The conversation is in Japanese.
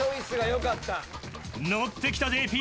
［ノッてきたＪＰ。